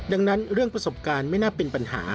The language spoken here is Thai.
ดังนั้นเรื่องประสบการณ์ไม่น่าเป็นปัญหา